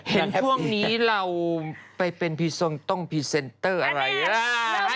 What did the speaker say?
เห็นช่วงนี้เราไปเป็นพีทรงต้องพรีเซนเตอร์อะไรล่ะ